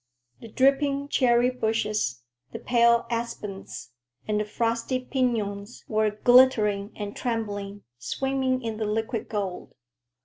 The dripping cherry bushes, the pale aspens, and the frosty piñons were glittering and trembling, swimming in the liquid gold.